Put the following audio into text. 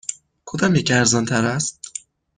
کدامیک ارزان تر است؟